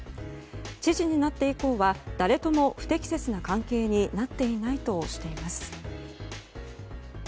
知事になって以降は誰とも不適切な関係になっていないとしています。